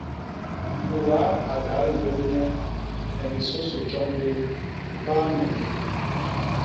Muda a kal nlôm nye, ha disôsô tjoñ bé, paa ni ini.